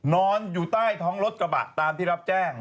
นอนอยู่ใต้ท้องรถกระบะตามที่รับแจ้ง